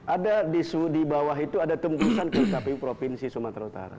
ada di bawah itu ada tembusan ke kpu provinsi sumatera utara